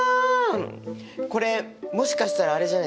これもしかしたらあれじゃないですか？